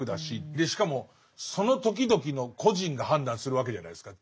でしかもその時々の個人が判断するわけじゃないですか。